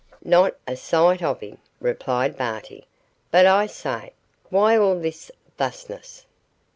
'Not a sight of him,' replied Barty; 'but, I say, why all this thusness?